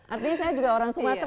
artinya saya juga orang sumatera